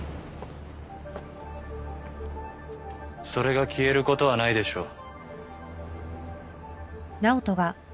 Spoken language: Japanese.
それが消えることはないでしょう。